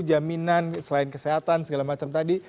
jaminan selain kesehatan segala macam tadi